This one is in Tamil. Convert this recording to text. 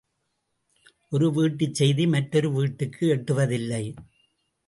ஒரு வீட்டுச் செய்தி மற்றொரு வீட்டுக்கு எட்டுவதில்லை.